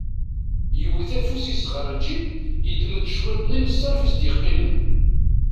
Yewwet afus-is ɣer lǧib, yeddem-d cwiṭ-nni n ṣṣarf is-d-yeqqimen.